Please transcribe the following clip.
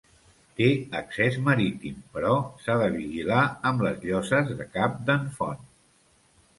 Té accés marítim, però s'ha de vigilar amb les lloses de Cap d'en Font.